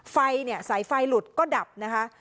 สายไฟหลุดก็ดับนะคะ